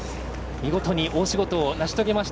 見事に大仕事を成し遂げました。